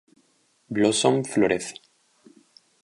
Blossom florece.